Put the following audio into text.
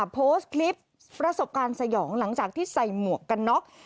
โพสต์คลิปประสบการณ์สยองหลังจากที่ใส่หมวกกันน็อก